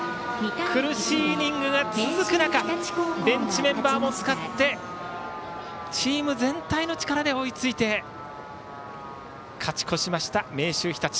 苦しいイニングが続く中ベンチメンバーも使ってチーム全体の力で追いついて勝ち越しました、明秀日立。